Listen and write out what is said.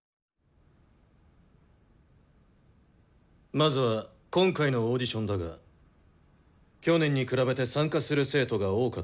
まずは今回のオーディションだが去年に比べて参加する生徒が多かった。